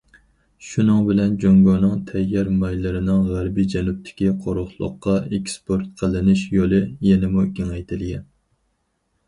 شۇنىڭ بىلەن، جۇڭگونىڭ تەييار مايلىرىنىڭ غەربىي جەنۇبتىكى قۇرۇقلۇققا ئېكسپورت قىلىنىش يولى يەنىمۇ كېڭەيتىلگەن.